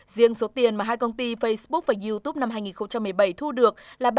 riêng số tiền mà hai công ty facebook và youtube năm hai nghìn một mươi bảy thu được là